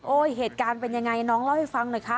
เหตุการณ์เป็นยังไงน้องเล่าให้ฟังหน่อยค่ะ